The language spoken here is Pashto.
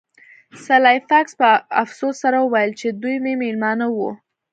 سلای فاکس په افسوس سره وویل چې دوی مې میلمانه وو